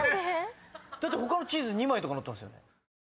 だって他のチーズ２枚とか載ってますよね。